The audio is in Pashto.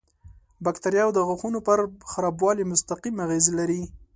باکتریاوې د غاښونو پر خرابوالي مستقیم اغېز لري.